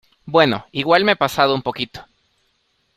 bueno, igual me he pasado un poquito.